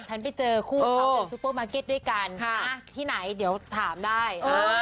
ฉันไปเจอคู่เขาเป็นซูเปอร์มาร์เก็ตด้วยกันที่ไหนเดี๋ยวถามได้